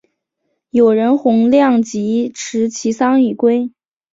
友人洪亮吉持其丧以归。